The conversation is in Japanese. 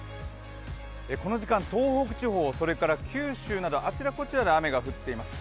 この時間、東北地方それから九州などあちらこちらで雨が降っています。